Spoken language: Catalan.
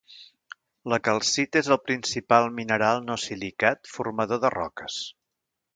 La calcita és el principal mineral no silicat formador de roques.